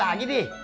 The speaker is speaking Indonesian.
loh apa ini